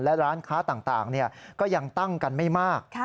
และร้านค้าต่างก็ยังตั้งกันไม่มาก